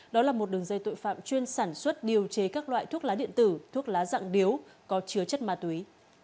đường dây tội phạm chuyên sản xuất điều chế các loại thuốc lá điện tử thuốc lá dặn điếu có chứa chất ma túy